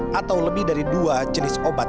pada penanganan pasien kebal terhadap obat